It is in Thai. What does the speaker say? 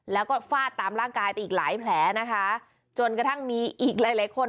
แล้วก็ฟาดตามร่างกายไปอีกหลายแผลนะคะจนกระทั่งมีอีกหลายหลายคน